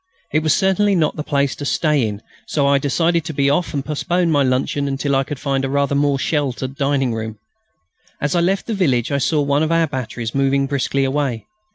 It was certainly not the place to stay in, so I decided to be off and postpone my luncheon until I could find a rather more sheltered dining room. As I left the village I saw one of our batteries moving briskly away.